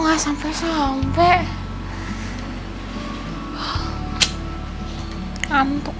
kemajuan banget sih di nelpon gue